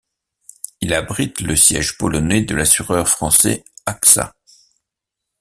Il abrite le siège polonais de l'assureur français Axa.